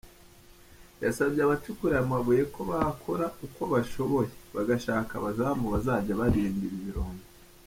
Yasabye abacukura aya mabuye ko bakora uko bashoboye bagashaka abazamu bazajya barinda ibi birombe.